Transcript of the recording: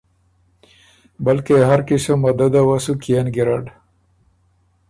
بلکې هر قسم مدد وه سُو کيېن ګیرډ۔